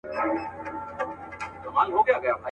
په عاشقي کي بې صبرې مزه کوینه.